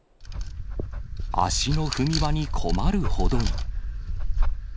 足の踏み場に困るほどに。